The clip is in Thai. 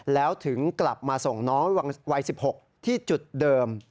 แล้วถึงกลับมาส่งน้องวัย๑๖ที่จุดเดิม